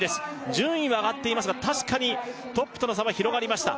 順位は上がっていますが確かにトップとの差は広がりました